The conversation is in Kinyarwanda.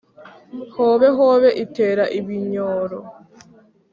Hobe hobe itera ibinyoro.